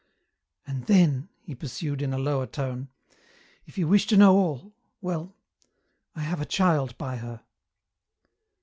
"And then," he pursued, in a lower tone, "if you wish to know all, well I have a child by her."